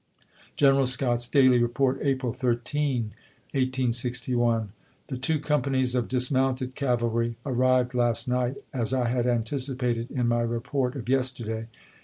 General Scott's daily report, April 13, 1861 : The two companies of dismounted cavalry arrived last night, as I had anticipated in my report of yesterday.